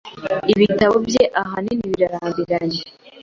Ibitabo bye, ahanini, birarambiranye.